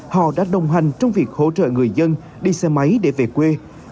họ đã đồng hành trong việc hỗ trợ người dân đi xe máy để về quê